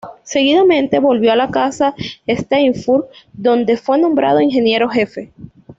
Seguidamente volvió a la casa Steinfurt, donde fue nombrado ingeniero-jefe.